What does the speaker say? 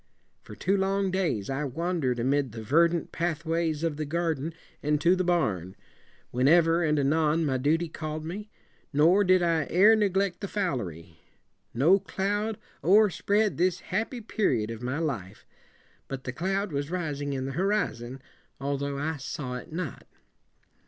For two long days I wan der ed amid the ver dant pathways of the garden and to the barn, when ever and anon my du ty call ed me, nor did I ere neg lect the fowlery. No cloud o'erspread this happy peri od of my life. But the cloud was ri sing in the horizon, although I saw it not.